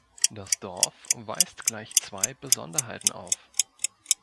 Das Dorf weist gleich zwei Besonderheiten auf.